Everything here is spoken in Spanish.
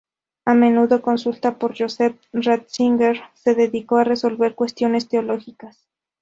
A menudo, consultado por Joseph Ratzinger, se dedicó a resolver cuestiones teológicas.